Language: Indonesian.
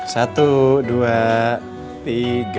satu dua tiga